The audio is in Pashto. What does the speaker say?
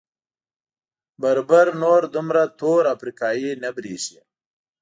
بربر نور دومره تور افریقايي نه برېښي.